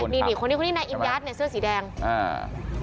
นี่คนนี้นายอิมยัดในเสื้อสีแดงอ่า